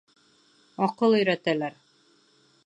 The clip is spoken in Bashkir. Аҡыл өйрәтәләр.